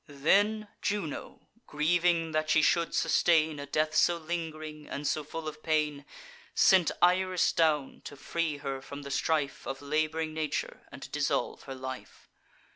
Then Juno, grieving that she should sustain A death so ling'ring, and so full of pain, Sent Iris down, to free her from the strife Of lab'ring nature, and dissolve her life.